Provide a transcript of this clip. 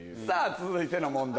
続いての問題